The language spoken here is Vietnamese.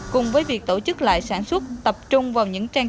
cùng với việc tổ chức lại sản xuất tập trung vào những trang trại